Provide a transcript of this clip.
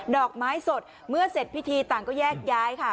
อกไม้สดเมื่อเสร็จพิธีต่างก็แยกย้ายค่ะ